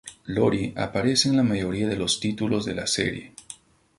Iori aparece en la mayoría de los títulos de la serie.